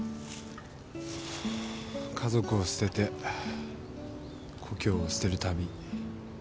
家族を捨てて故郷を捨てる旅。